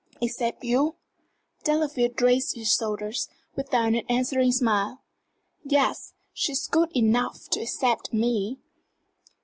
"Except you?" Delafield raised his shoulders, without an answering smile. "Yes, she is good enough to except me.